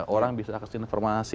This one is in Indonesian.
orang bisa akses informasi